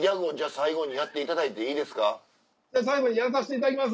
最後にやらさせていただきます。